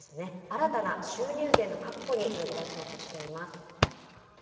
新たな収入源の確保に乗り出そうとしています。